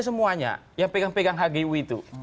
semuanya yang pegang pegang hgu itu